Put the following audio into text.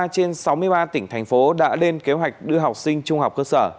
một mươi trên sáu mươi ba tỉnh thành phố đã lên kế hoạch đưa học sinh trung học cơ sở